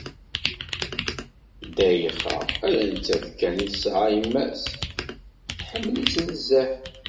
Ddayxa, ala nettat kan i tesɛa yemma-s, teḥmmel-itt nezzeh.